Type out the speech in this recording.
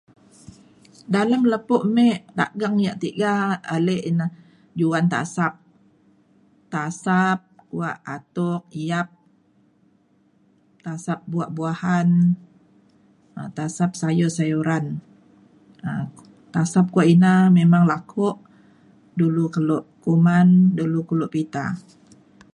dalem lepo me dageng yak tiga ale ina juan tasap. tasap kuak atuk yap tasap buak buahan um tasap sayur sayuran. um tasap kuak ina memang laku dulu kelo kuman dulu kelo pita.